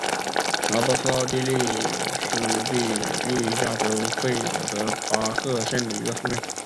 拉鲍是奥地利施蒂利亚州费尔德巴赫县的一个市镇。